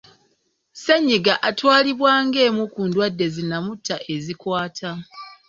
Ssenyiga atawlibwa ng'emu ku ndwadde zinnamutta ezikwata.